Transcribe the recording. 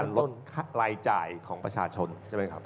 นี่เป็นการลดรายจ่ายของประชาชนใช่ไหมครับ